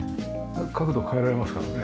角度変えられますからね。